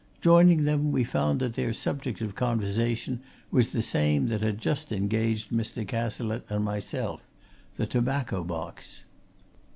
Joining them, we found that their subject of conversation was the same that had just engaged Mr. Cazalette and myself the tobacco box.